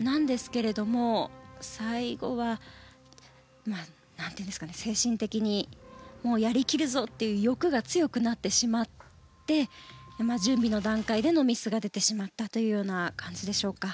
なんですけれども最後は精神的にやり切るぞという欲が強くなってしまって準備の段階でのミスが出てしまったという感じでしょうか。